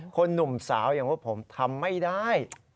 หนุ่มสาวอย่างพวกผมทำไม่ได้